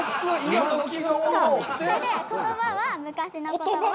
それで言葉は昔の言葉は。